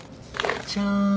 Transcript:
じゃん。